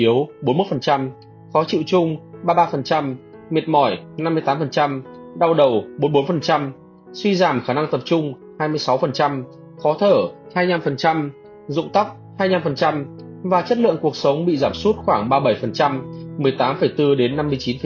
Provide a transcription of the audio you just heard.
yếu bốn mươi một khó chịu chung ba mươi ba miệt mỏi năm mươi tám đau đầu bốn mươi bốn suy giảm khả năng tập trung hai mươi sáu khó thở hai mươi năm dụng tắc hai mươi năm và chất lượng cuộc sống bị giảm suốt khoảng ba mươi bảy một mươi tám bốn đến năm mươi chín chín